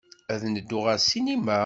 Ad neddu ɣer ssinima?